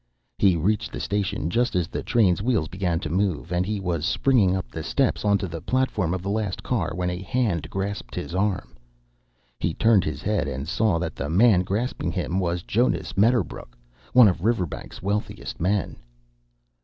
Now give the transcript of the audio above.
He reached the station just as the train's wheels began to move; and he was springing up the steps onto the platform of the last car when a hand grasped his arm. He turned his head and saw that the man grasping him was Jonas Medderbrook, one of Riverbank's wealthiest men.